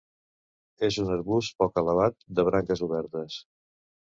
És un arbust poc elevat, de branques obertes.